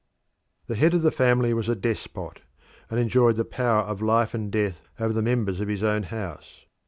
The head of the family was a despot, and enjoyed the power of life and death over the members of his own house.